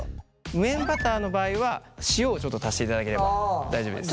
無塩バターの場合は塩をちょっと足していただければ大丈夫です。